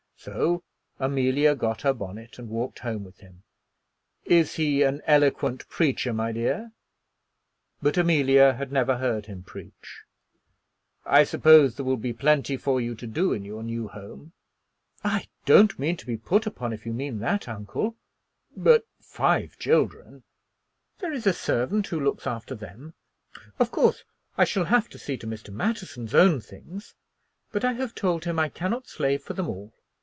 So Amelia got her bonnet and walked home with him. "Is he an eloquent preacher, my dear?" But Amelia had never heard him preach. "I suppose there will be plenty for you to do in your new home." "I don't mean to be put upon, if you mean that, uncle." "But five children!" "There is a servant who looks after them. Of course I shall have to see to Mr. Matterson's own things, but I have told him I cannot slave for them all.